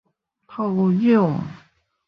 塗壤